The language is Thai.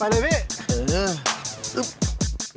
อ้าวไปเลยพี่